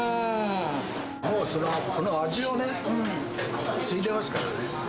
もうそれは、この味をね、継いでますからね。